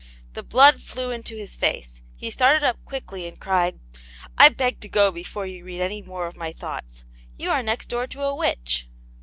The blood flew into his face; he started up quickly, and cried :" I beg to go before* you read any more of my •thoughts. You are next door to a witch."